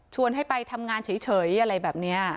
ให้ไปทำงานเฉยอะไรแบบนี้